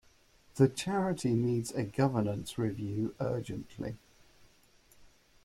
The charity needs a governance review urgently